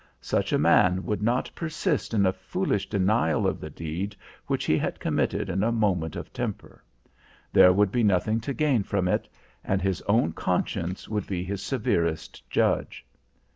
Such a man would not persist in a foolish denial of the deed which he had committed in a moment of temper. There would be nothing to gain from it, and his own conscience would be his severest judge.